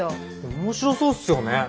面白そうっすよね。